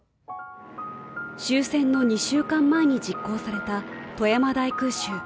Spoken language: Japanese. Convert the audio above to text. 終戦の２週間前に実行された富山大空襲。